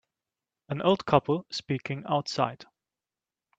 An old couple speaking outside.